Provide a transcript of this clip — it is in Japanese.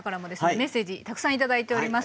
メッセージたくさん頂いております。